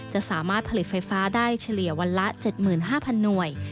จะสามารถผลิตไฟฟ้าได้เฉลี่ยวันละ๗๕๐๐หน่วย